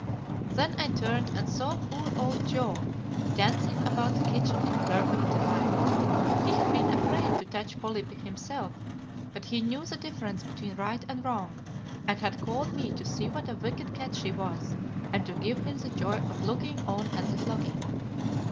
Then I turned and saw poor old Joe dancing about the kitchen in perfect delight. He had been afraid to touch Polly himself, but he knew the difference between right and wrong, and had called me to see what a wicked cat she was, and to give him the joy of looking on at the flogging.